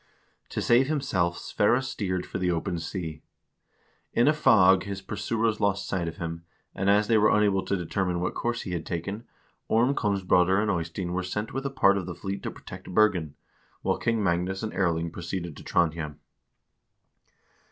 To save himself Sverre steered for the open sea. In a fog his pursuers lost sight of him, and as they were unable to determine what course he had taken, Orm Kongsbroder and Eystein were sent with a part of the fleet to protect Bergen, while King Magnus and Erling proceeded to Trondhjem.